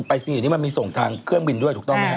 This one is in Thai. ไปสนิทนี่มันมีส่งทางเครื่องบินด้วยถูกต้องไหมครับ